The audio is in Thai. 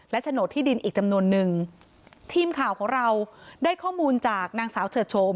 โฉนดที่ดินอีกจำนวนนึงทีมข่าวของเราได้ข้อมูลจากนางสาวเฉิดโฉม